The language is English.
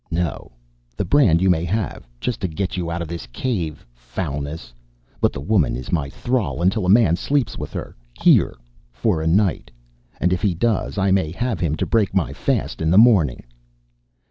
"No. The brand you may have, just to get you out of this cave, foulness; but the woman is in my thrall until a man sleeps with her here for a night. And if he does, I may have him to break my fast in the morning!"